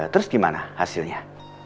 terus gimana hasilnya